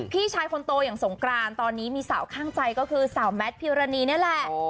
พี่ชายคนโตอย่างสงกรานตอนนี้มีสาวข้างใจก็คือสาวแมทพิวรณีนี่แหละ